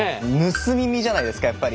「盗み見」じゃないですかやっぱり。